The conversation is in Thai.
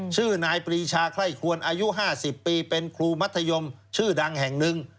ชื่อนายปรีชาไคร่ครวนอายุ๕๐ปีเป็นครูมัธยมชื่อดังแห่งหนึ่ง